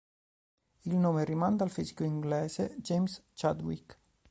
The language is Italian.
Il nome rimanda al fisico inglese James Chadwick.